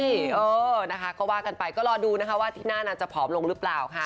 เออนะคะก็ว่ากันไปก็รอดูนะคะว่าที่หน้านั้นจะผอมลงหรือเปล่าค่ะ